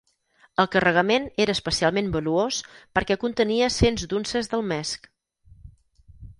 El carregament era especialment valuós perquè contenia cents d'unces d'almesc